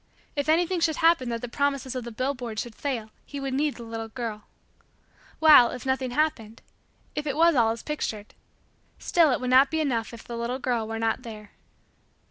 If anything should happen that the promises of the billboards should fail he would need the little girl. While, if nothing happened if it was all as pictured still it would not be enough if the little girl were not there.